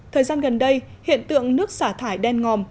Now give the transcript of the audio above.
thời gian gần đây hiện tượng nước xả thải đen ngòm